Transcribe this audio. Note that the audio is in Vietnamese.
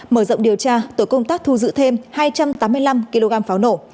mở rộng điều tra tội công tác thu giữ thêm hai trăm tám mươi năm kg pháo nổ